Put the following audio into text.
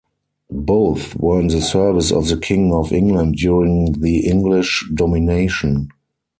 Both were in the service of the king of England during the English domination.